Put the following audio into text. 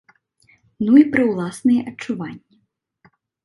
Ну і пра ўласныя адчуванні.